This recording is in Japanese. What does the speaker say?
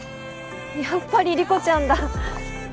やっぱり理子ちゃんだ！